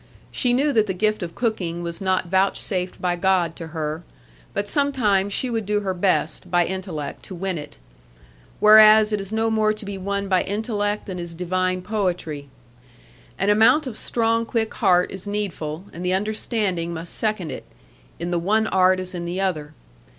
She knew that the gift of cooking was not vouchsafed by God to her; but sometimes she would do her best, by intellect to win it. Whereas it is no more to be won by intellect than is divine poetry. An amount of strong quick heart is needful, and the understanding must second it, in the one art as in the other.